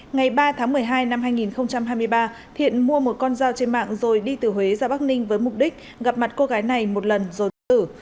ngày ba tháng một mươi hai năm hai nghìn hai mươi ba thiện mua một con dao trên mạng rồi đi từ huế ra bắc ninh với mục đích gặp mặt cô gái này một lần rồi tự tử